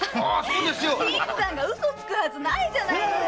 新さんが嘘つくはずないじゃないのさ！